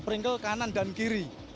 sprinkle kanan dan kiri